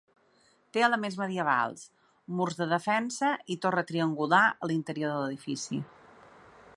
Té elements medievals, murs de defensa i torre triangular a l'interior de l'edifici.